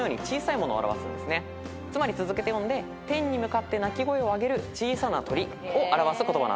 つまり続けて読んで天に向かって鳴き声を上げる小さな鳥を表す言葉なんです。